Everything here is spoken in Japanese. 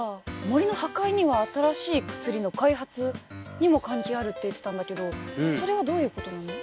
森の破壊には新しい薬の開発にも関係あるって言ってたんだけどそれはどういうことなの？